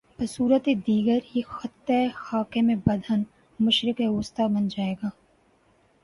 بصورت دیگریہ خطہ خاکم بدہن، مشرق وسطی بن جا ئے گا۔